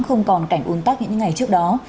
không còn cảnh uống tắc những ngày trước đó